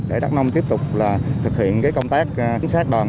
để đắk nông tiếp tục thực hiện công tác